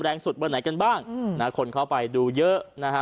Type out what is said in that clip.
แรงสุดวันไหนกันบ้างนะฮะคนเข้าไปดูเยอะนะฮะ